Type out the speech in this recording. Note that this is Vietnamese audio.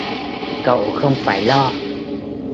Cậu không phải lo